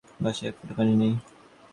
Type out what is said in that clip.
বাসায় এক ফোঁটা পানি নেই।